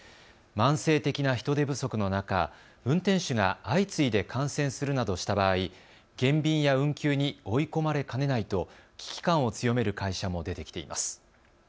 慢性的な人手不足の中、運転手が相次いで感染するなどした場合、減便や運休に追い込まれかねないと危機感を強める会社も出てきています。